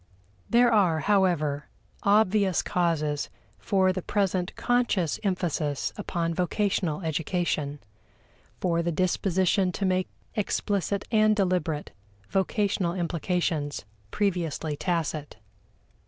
There are, however, obvious causes for the present conscious emphasis upon vocational education for the disposition to make explicit and deliberate vocational implications previously tacit.